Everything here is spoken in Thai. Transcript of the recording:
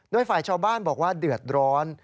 โดยฝ่ายชาวบ้านบอกว่าเดือดร้อน